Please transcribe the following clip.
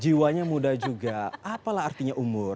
jiwanya muda juga apalah artinya umur